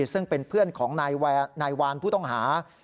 ซึ่งเป็นเพื่อนของนายวานผู้ต้องหา